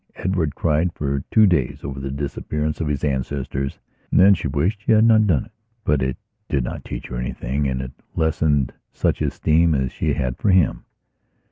Edward cried for two days over the disappearance of his ancestors and then she wished she had not done it; but it did not teach her anything and it lessened such esteem as she had for him.